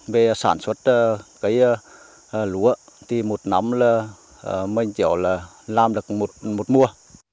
về sản xuất cái lúa thì một năm là mình chở là làm được một mùa